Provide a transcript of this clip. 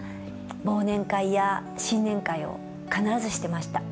忘年会や新年会を必ずしてました。